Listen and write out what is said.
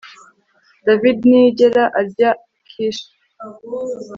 David ntiyigera arya quiche